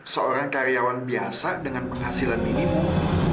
seorang karyawan biasa dengan penghasilan minimum